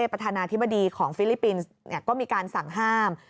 ประธานาธิบดีของฟิลิปปินส์ก็มีการสั่งห้าม